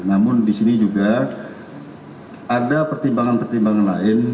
namun disini juga ada pertimbangan pertimbangan lain